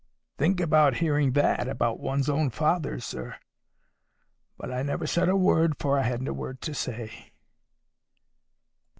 '—Think of hearing that about one's own father, sir! But I never said a word, for I hadn't a word to say.